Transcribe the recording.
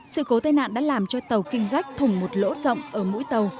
sự cố tên nạn đã làm cho tàu king jack thùng một lỗ rộng ở mũi tàu